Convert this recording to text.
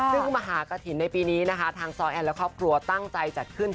ซึ่งมหากฐินในปีนี้นะคะทางซอยแอนและครอบครัวตั้งใจจัดขึ้น